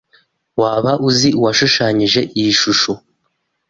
Waba uzi uwashushanyije iyi shusho?